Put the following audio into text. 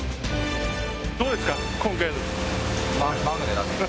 どうですか？